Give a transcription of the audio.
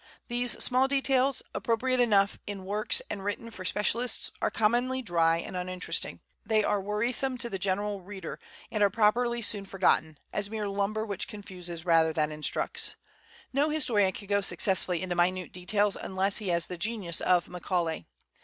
These small details, appropriate enough in works written for specialists, are commonly dry and uninteresting; they are wearisome to the general reader, and are properly soon forgotten, as mere lumber which confuses rather than instructs. No historian can go successfully into minute details unless he has the genius of Macaulay.